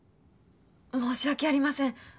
申し訳ありません。